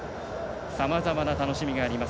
さまざまな楽しみがあります。